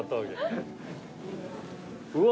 うわ。